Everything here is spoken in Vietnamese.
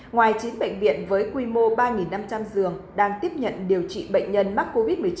ngoài chín bệnh viện với quy mô ba năm trăm linh giường đang tiếp nhận điều trị bệnh nhân mắc covid một mươi chín